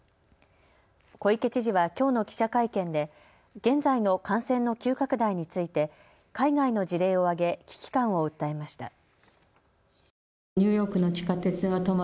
小池知事はきょうの記者会見で現在の感染の急拡大について海外の事例を挙げ危機感を訴えました。